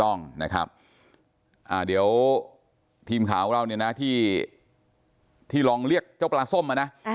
ต้องนะครับเดี๋ยวทีมข่าวของเราเนี่ยนะที่ลองเรียกเจ้าปลาส้มมานะ